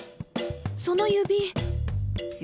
その指。